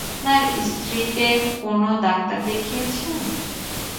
আপনার স্ত্রীকে কোনো ডাক্তার দেখিয়েছেন?